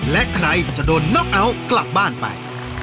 และใครจะโดนน้องเอาท์กลับบ้านไป